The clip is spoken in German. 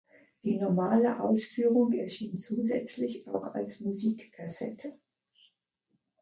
Die normale Ausführung erschien zusätzlich auch als Musikkassette.